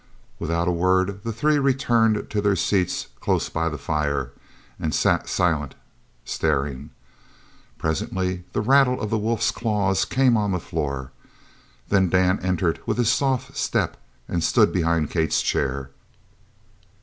Without a word the three returned to their seats close by the fire, and sat silent, staring. Presently the rattle of the wolf's claws came on the floor; then Dan entered with his soft step and stood behind Kate's chair.